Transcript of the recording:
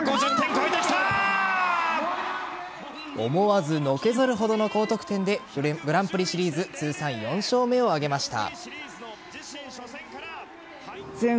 思わずのけぞるほどの高得点でグランプリシリーズ通算４勝目を挙げました。